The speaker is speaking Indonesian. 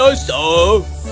oh di lingkungan